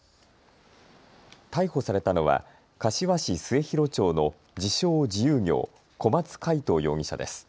逮捕されたのは柏市末広町の自称自由業、小松魁人容疑者です。